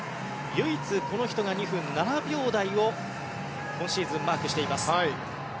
唯一この人が２分７秒台を今シーズン、マークしています。